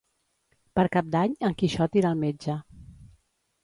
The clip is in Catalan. Per Cap d'Any en Quixot irà al metge.